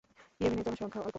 ইয়েমেনের জনসংখ্যা অল্প।